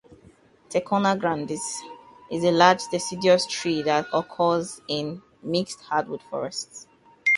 "Tectona grandis" is a large, deciduous tree that occurs in mixed hardwood forests.